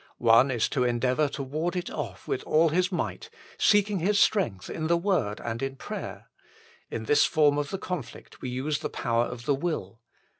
One is to endeavour to ward it off with all his might, seeking his strength in the Word and in prayer. In this form of the conflict we use the power of the will.